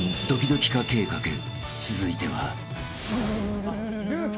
［続いては］